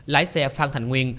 lái xe phan thành nguyên